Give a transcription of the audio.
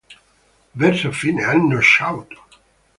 Verso fine anno Shout!